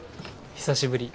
久しぶり。